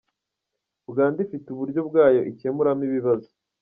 Uganda ifite uburyo bwayo ikemuramo ibibazo.